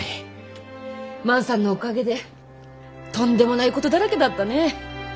万さんのおかげでとんでもないことだらけだったね。